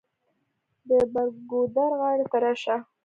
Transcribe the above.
د بر ګودر غاړې ته راشه.